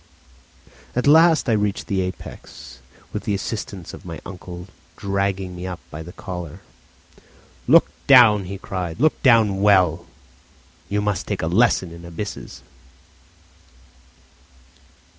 At last I reached the apex, with the assistance of my uncle dragging me up by the collar. "Look down!" he cried. "Look down well! You must take a lesson in abysses."